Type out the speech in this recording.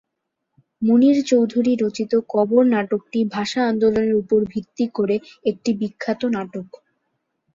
মুনীর চৌধুরী রচিত "কবর" নাটকটি ভাষা আন্দোলনের উপর ভিত্তি করে একটি বিখ্যাত নাটক।